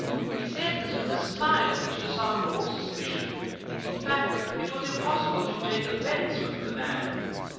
He said this with a smile which disarmed all suspicion. In fact, it was impossible to take offence with the man."